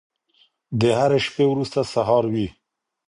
د هرې شپې وروسته سهار وي.